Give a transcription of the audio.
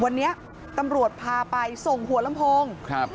วันนี้ตำรวจพาไปส่งหัวลำโพงครับ